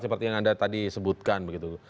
seperti yang anda tadi sebutkan begitu